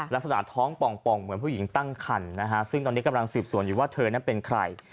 ลักษณะท้องป่องเหมือนผู้หญิงตั้งคันนะฮะซึ่งตอนนี้กำลังสืบสวนอยู่ว่าเธอนั้นเป็นใคร